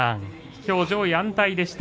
きょうは上位安泰でした。